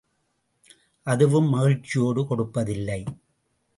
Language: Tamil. அதுவும் மகிழ்ச்சியோடு கொடுப்பதில்லை.